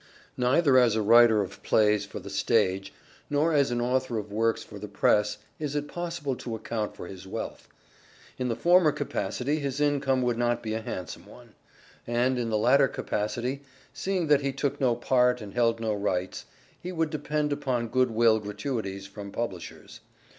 Neither as a writer of plays for the stage nor as an author of works for the press is it possible to account for his wealth. In the former capacity his income would not be a handsome one ; THE STRATFORDIAN VIEW 77 and in the latter capacity, seeing that he took no part and held no rights, he would depend upon good will gratuities from publishers.